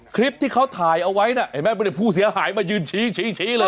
คลิปที่เขาถ่ายเอาไว้น่ะเห็นไหมไม่ได้ผู้เสียหายมายืนชี้ชี้เลย